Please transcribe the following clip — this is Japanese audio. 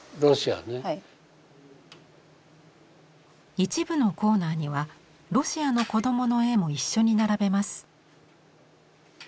一部のコーナーにはロシアの子どもの絵も一緒に並べます。